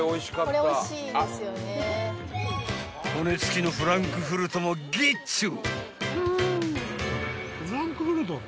［骨付きのフランクフルトもゲッチョ！］